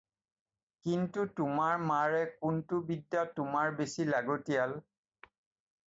কিন্তু তোমাৰ মাৰে কোনটো বিদ্যা তোমাৰ বেচি লাগতীয়াল